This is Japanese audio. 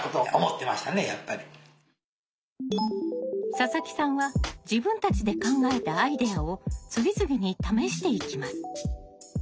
佐々木さんは自分たちで考えたアイデアを次々に試していきます。